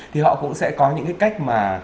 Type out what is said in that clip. thì họ cũng sẽ có những cái cách mà